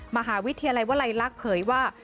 มหาวิทยาลัยวลัยลักษณ์เผยว่า